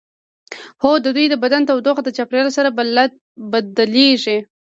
هو د دوی د بدن تودوخه د چاپیریال سره بدلیږي